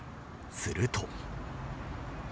すると。